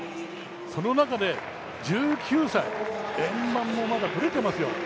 その中で、１９歳円盤も、ぶれてますよ。